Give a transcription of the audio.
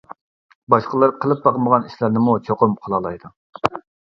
باشقىلار قىلىپ باقمىغان ئىشلارنىمۇ چوقۇم قىلالايدۇ.